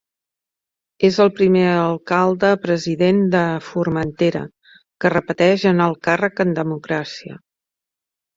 És el primer alcalde-president de Formentera que repeteix en el càrrec en democràcia.